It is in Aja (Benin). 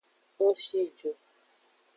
Ng shi ju.